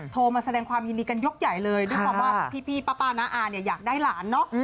โทรมาแสดงความยินดีกันยกใหญ่เลยด้วยความว่าพี่ป้าน้าอาเนี่ยอยากได้หลานเนอะ